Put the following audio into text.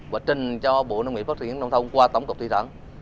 và trình cho bộ nông nghiệp pháp thủy nông thôn qua tổng cục thủy sản